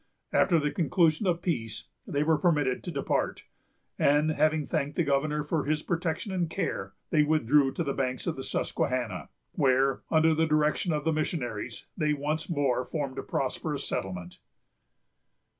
After the conclusion of peace, they were permitted to depart; and, having thanked the governor for his protection and care, they withdrew to the banks of the Susquehanna, where, under the direction of the missionaries, they once more formed a prosperous settlement.